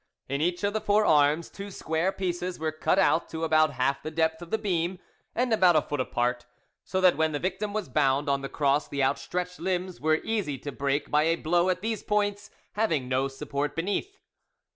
In each of the four arms two square pieces were cut out to about half the depth of the beam, and about a foot apart, so that when the victim was bound on the cross the outstretched limbs were easy to break by a blow at these points, having no support beneath.